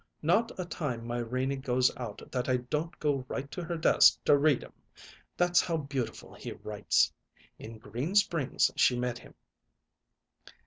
Not a time my Renie goes out that I don't go right to her desk to read 'em that's how beautiful he writes. In Green Springs she met him."